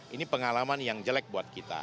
ini pengalaman yang jelek buat kita